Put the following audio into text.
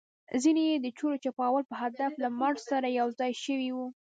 ځینې يې د چور او چپاول په هدف له مارش سره یوځای شوي وو.